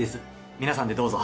皆さんでどうぞ。